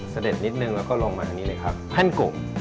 เสด็จนิดนึงแล้วก็ลงมาอันนี้เลยครับขั้นกลุ่ม